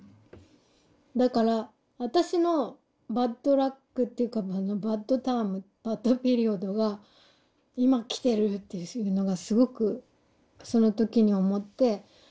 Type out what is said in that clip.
だから私のバッドラックっていうかバッドタームバッドピリオドが今来てるっていうのがすごくその時に思って。